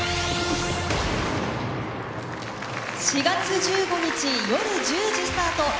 ４月１５日よる１０時スタート